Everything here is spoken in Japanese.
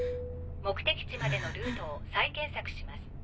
目的地までのルートを再検索します。